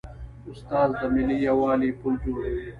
استاد د ملي یووالي پل جوړوي.